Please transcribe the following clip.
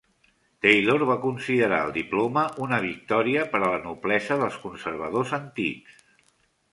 Taylor va considerar el diploma una victòria per a la noblesa dels conservadors antics.